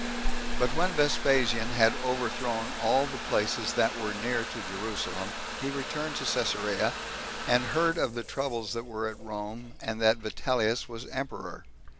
But when Vespasian had overthrown all the places that were near to Jerusalem, he returned to Cesarea, and heard of the troubles that were at Rome, and that Vitellius was emperor.